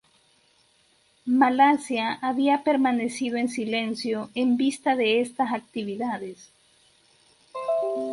Malasia había permanecido en silencio en vista de estas actividades.